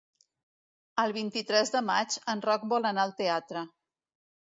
El vint-i-tres de maig en Roc vol anar al teatre.